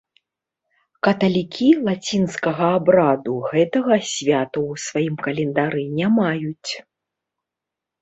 Каталікі лацінскага абраду гэтага свята ў сваім календары не маюць.